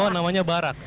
oh namanya barak